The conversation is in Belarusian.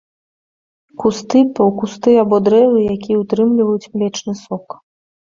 Кусты, паўкусты або дрэвы, якія ўтрымліваюць млечны сок.